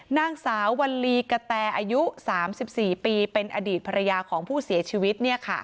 นางสาววัลลีกะแตอายุ๓๔ปีเป็นอดีตภรรยาของผู้เสียชีวิต